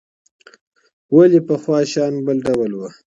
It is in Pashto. ولې پخوا شیان بل ډول وو؟